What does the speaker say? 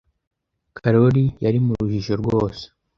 Karoli yari mu rujijo rwose.